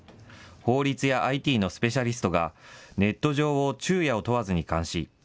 法律やＩＴのスペシャリストがネット上を昼夜を問わずに監視。